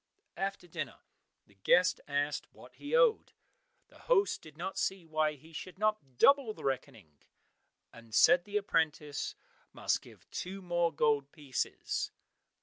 After dinner the guest asked what he owed. The host did not see why he should not double the reckoning, and said the apprentice must give two more gold pieces.